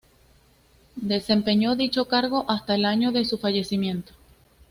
Desempeñó dicho cargo hasta el año de su fallecimiento.